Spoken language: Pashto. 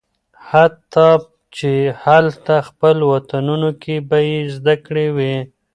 حتی چې هالته خپل وطنونو کې به یې زده کړې وي